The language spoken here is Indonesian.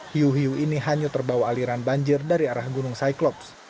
hiu hiu ini hanyut terbawa aliran banjir dari arah gunung cyclops